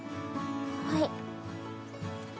はい。